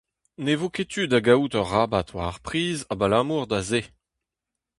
Ne vo ket tu da gaout ur rabat war ar priz abalamour da se.